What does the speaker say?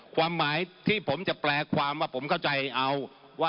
ความหมายที่ผมจะแปลความว่าผมเข้าใจเอาว่า